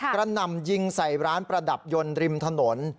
หน่ำยิงใส่ร้านประดับยนต์ริมถนน